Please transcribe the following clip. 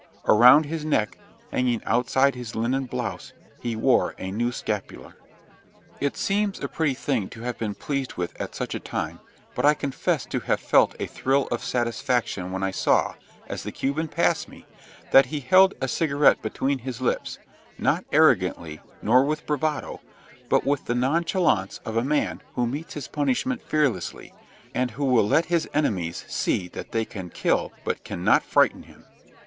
Around his neck, hanging outside his linen blouse, he wore a new scapular. It seems a petty thing to have been pleased with at such a time, but I confess to have felt a thrill of satisfaction when I saw, as the Cuban passed me, that he held a cigarette between his lips, not arrogantly nor with bravado, but with the nonchalance of a man who meets his punishment fearlessly, and who will let his enemies see that they can kill but cannot frighten him.